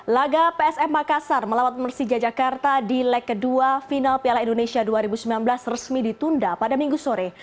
laga psm makassar melawat persija jakarta di leg kedua final piala indonesia dua ribu sembilan belas resmi ditunda pada minggu sore